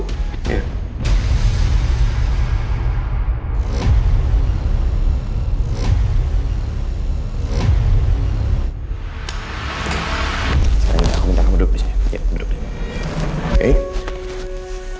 oke sekarang ini aku minta kamu duduk disini